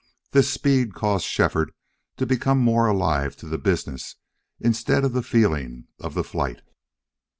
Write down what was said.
This speed caused Shefford to become more alive to the business, instead of the feeling, of the flight.